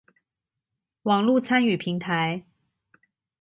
網路參與平台